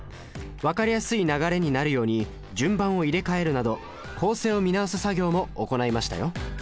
分かりやすい流れになるように順番を入れ替えるなど構成を見直す作業も行いましたよ